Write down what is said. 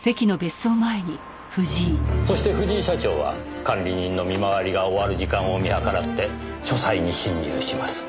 そして藤井社長は管理人の身回りが終わる時間を見計らって書斎に侵入します。